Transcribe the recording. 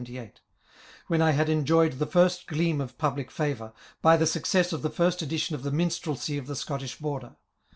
] when I had enjoyed the first gleam of public favour, by the success of the first edition of the Minstrelsy of the Scottish Border.